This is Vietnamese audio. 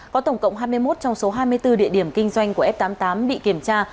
có tổng cộng hai mươi một trong số hai mươi bốn địa điểm kinh doanh của f tám mươi tám bị kiểm tra